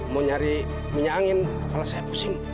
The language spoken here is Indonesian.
mau nyari minyak angin malah saya pusing